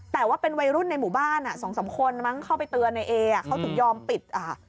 แต่ว่าเป็นวัยรุ่นในหมู่บ้านอ่ะสองสามคนมั้งเข้าไปเตือนในเออ่ะเขาถึงยอมปิดอ่ะ